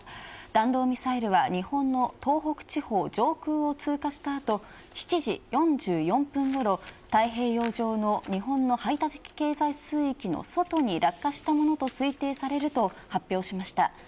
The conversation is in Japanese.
弾道ミサイルは日本の東北地方上空を通過した後７時４４分ごろ太平洋上の日本の排他的経済水域の外に落下したものと推定されると発表しました。